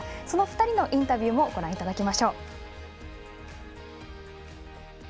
その２人のインタビューもご覧いただきましょう。